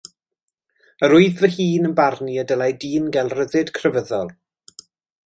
Yr wyf fy hun yn barnu y dylai dyn gael rhyddid crefyddol.